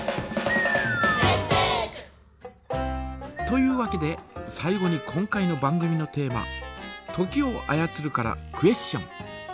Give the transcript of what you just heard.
というわけで最後に今回の番組のテーマ「時を操る」からクエスチョン。